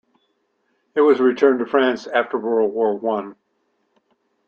It was returned to France after World War One.